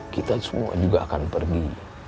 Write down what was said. kita semua juga akan pergi